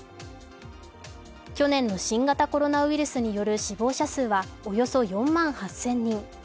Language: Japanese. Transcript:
去年の新型コロナウイルスによる死亡者数はおよそ４万８０００人。